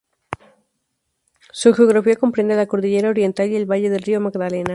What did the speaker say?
Su geografía comprende la cordillera oriental y el valle del río Magdalena.